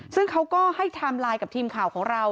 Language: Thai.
ซึ่งเขาก็ให้ไทม์ไลน์กับทีมข่าวของเรา